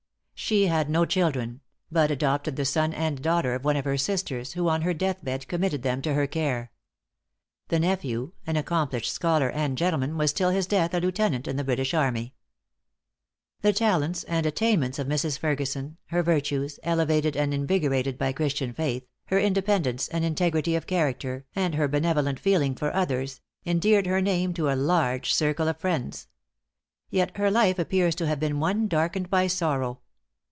She had no children, but adopted the son and daughter of one of her sisters, who on her deathbed committed them to her care. The nephew, an accomplished scholar and gentleman, was till his death a lieutenant in the British army. The talents and attainments of Mrs. Ferguson, her virtues, elevated and invigorated by Christian faith, her independence and integrity of character, and her benevolent feeling for others endeared her name to a large circle of friends. Yet her life appears to have been one darkened by sorrow.